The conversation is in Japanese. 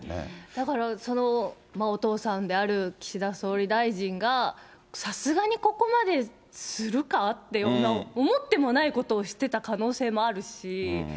だからその、お父さんである岸田総理大臣が、さすがにここまでするかって思ってもないことをしてた可能性もあるし。